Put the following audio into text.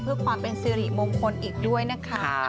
เพื่อความเป็นสิริมงคลอีกด้วยนะคะ